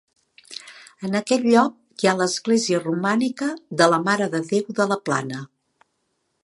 En aquest lloc hi ha l'església romànica de la Mare de Déu de la Plana.